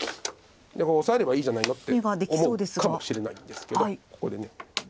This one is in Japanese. でここオサえればいいじゃないのって思うかもしれないんですけどここでこう打たれまして。